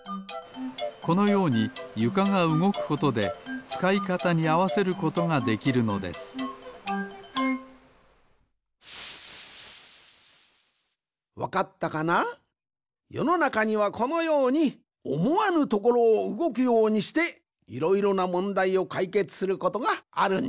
このようにゆかがうごくことでつかいかたにあわせることができるのですわかったかな？よのなかにはこのようにおもわぬところをうごくようにしていろいろなもんだいをかいけつすることがあるんじゃ。